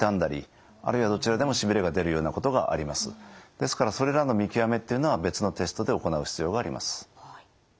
ですからそれらの見極めっていうのは別のテストで行う必要があります。